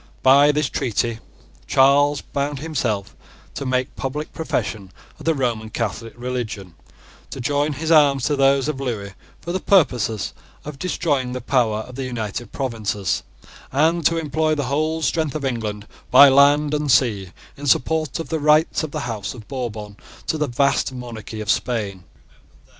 By this treaty Charles bound himself to make public profession of the Roman Catholic religion, to join his arms to those of Lewis for the purpose of destroying the power of the United Provinces, and to employ the whole strength of England, by land and sea, in support of the rights of the House of Bourbon to the vast monarchy of Spain.